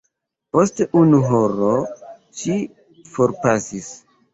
Post unu horo ŝi forpasis.